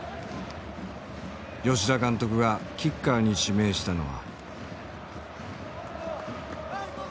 吉田監督がキッカーに指名したのは。